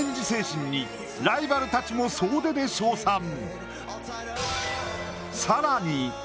精神にライバルたちも総出で称賛。